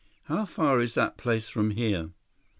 "How far is that place from here?"